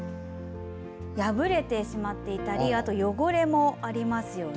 破れてしまっていたり汚れもありますよね。